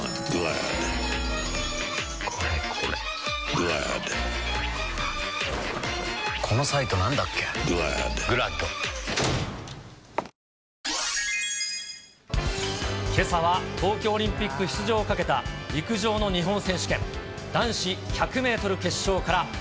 土曜の朝、スポーツを見なけけさは、東京オリンピック出場をかけた陸上の日本選手権男子１００メートル決勝から。